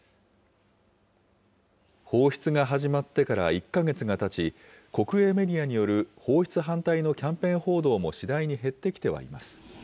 放出が始まってから１か月がたち、国営メディアによる放出反対のキャンペーン報道も次第に減ってきてはいます。